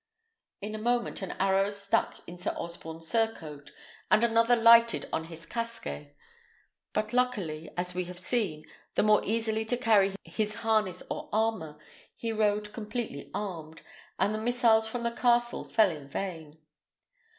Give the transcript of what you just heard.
In a moment an arrow stuck in Sir Osborne's surcoat, and another lighted on his casquet; but, luckily, as we have seen, the more easily to carry his harness or armour, he rode completely armed, and the missiles from the castle fell in vain.